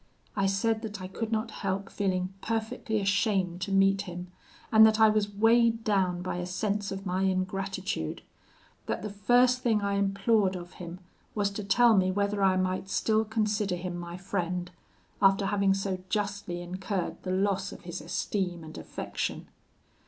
I said that I could not help feeling perfectly ashamed to meet him, and that I was weighed down by a sense of my ingratitude; that the first thing I implored of him was to tell me whether I might still consider him my friend, after having so justly incurred the loss of his esteem and affection.